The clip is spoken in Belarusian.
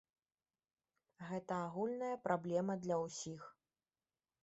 Гэта агульная праблема для ўсіх.